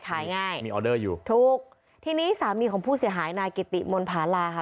ขายง่ายมีออเดอร์อยู่ถูกทีนี้สามีของผู้เสียหายนายกิติมนภาลาค่ะ